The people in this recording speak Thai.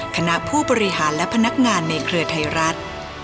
คณะผู้บริหารและพนักงานในเครือไทยรัฐ